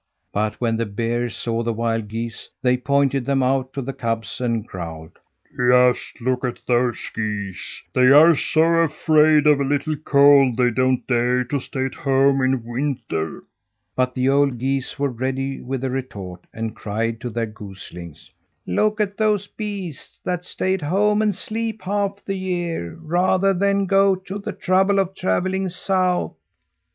But when the bears saw the wild geese, they pointed them out to the cubs and growled: "Just look at those geese; they are so afraid of a little cold they don't dare to stay at home in winter." But the old geese were ready with a retort and cried to their goslings: "Look at those beasts that stay at home and sleep half the year rather than go to the trouble of travelling south!"